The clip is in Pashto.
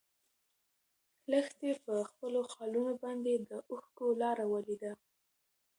لښتې په خپلو خالونو باندې د اوښکو لاره ولیده.